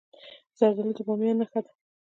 زردالو د بامیان نښه ده.